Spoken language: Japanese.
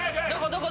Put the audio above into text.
どこ？